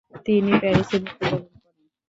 তিনি প্যারিসে মৃত্যুবরণ করেন।